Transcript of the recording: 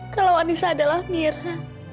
kalau anissa adalah myra